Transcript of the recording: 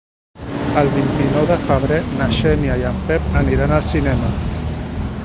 El vint-i-nou de febrer na Xènia i en Pep aniran al cinema.